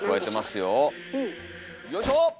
よいしょ！